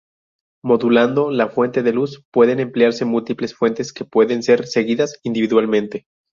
Modulando la fuente de luz, pueden emplearse múltiples fuentes que pueden ser seguidas individualmente.